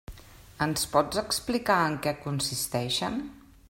Ens pots explicar en què consisteixen?